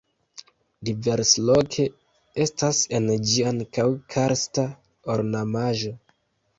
Diversloke estas en ĝi ankaŭ karsta ornamaĵo.